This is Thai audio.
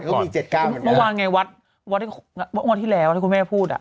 มันก็มีเจ็ดเก้าเหมือนกันเมื่อวานไงวัดวัดที่วัดที่แรกวัดที่คุณแม่พูดอ่ะ